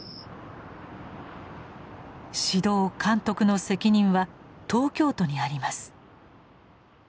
指導監督の責任は東京都にあります。